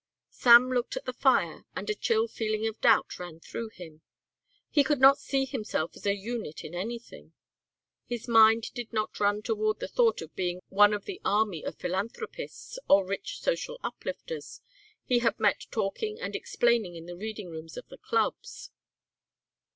Sam looked at the fire and a chill feeling of doubt ran through him. He could not see himself as a unit in anything. His mind did not run out toward the thought of being one of the army of philanthropists or rich social uplifters he had met talking and explaining in the reading rooms of clubs.